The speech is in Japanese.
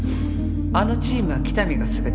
あのチームは喜多見がすべて